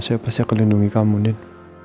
siapa saja yang akan melindungi kamu din